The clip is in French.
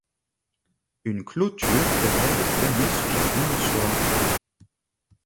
Une clôture permet de fermer ce jardin le soir.